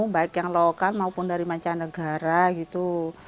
baik yang lokal maupun dari mancanegara gitu